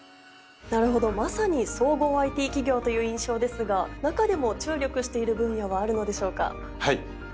なるほどまさに総合ＩＴ企業という印象ですが中でも注力している分野はあるのでしょうか？